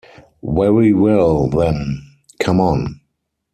Very well, then; come on.